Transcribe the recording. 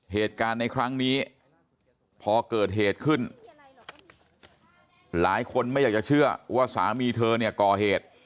เหตุการณ์ในครั้งนี้พอเกิดเหตุขึ้นหลายคนไม่อยากจะเชื่อว่าสามีเธอเนี่ยก่อเหตุ